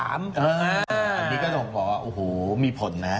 อันนี้ก็ต้องบอกว่ามีผลนะ